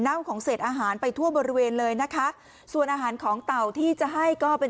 ของเศษอาหารไปทั่วบริเวณเลยนะคะส่วนอาหารของเต่าที่จะให้ก็เป็น